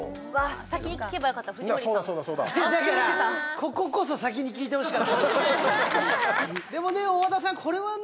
こここそ先に聞いてほしかったけど。